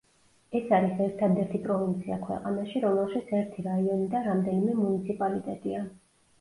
ეს არის ერთადერთი პროვინცია ქვეყანაში, რომელშიც ერთი რაიონი და რამდენიმე მუნიციპალიტეტია.